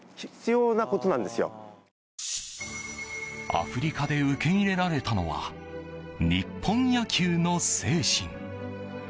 アフリカで受け入れられたのは日本野球の精神。